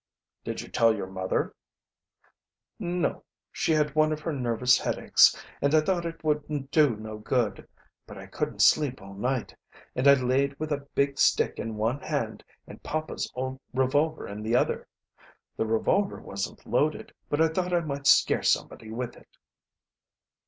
"Did you tell your mother?" "No, she had one of her nervous headaches, and I thought it would do no good. But I couldn't sleep all night, and I laid with a big stick in one hand and papa's old revolver in the other. The revolver wasn't loaded, but I thought I might scare somebody with it."